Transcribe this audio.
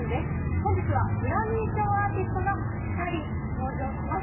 本日はグラミー賞アーティストがおふたり登場します。